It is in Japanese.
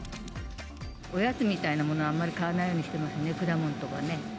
おやつみたいなものはあんまり買わないようにしてますね、果物とかね。